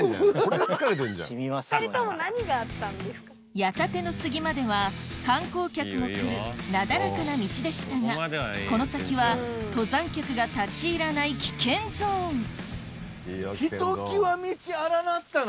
矢立の杉までは観光客も来るなだらかな道でしたがこの先は登山客が立ち入らない危険ゾーンひときわ道荒なったな。